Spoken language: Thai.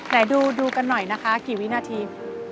ไหนดูกันหน่อยนะคะกี่วินาที